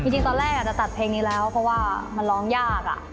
จริงตอนแรกจะตัดเพลงนี้แล้วเพราะว่ามันร้องยาก